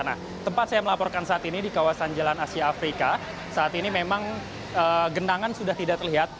nah tempat saya melaporkan saat ini di kawasan jalan asia afrika saat ini memang genangan sudah tidak terlihat